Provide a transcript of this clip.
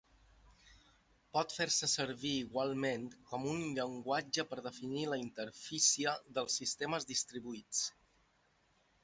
Pot fer-se servir igualment com una llenguatge per definir la interfície dels sistemes distribuïts.